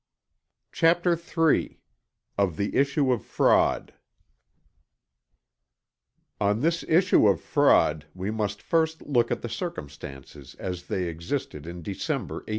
CHAPTER III OF THE ISSUE OF FRAUD On this issue of fraud we must first look at the circumstances as they existed in December, 1818.